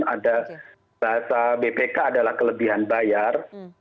ada bahasa bpk adalah kelebihan bayar